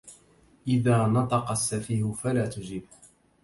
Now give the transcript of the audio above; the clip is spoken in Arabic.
إذا نطق السفيه فلا تجبه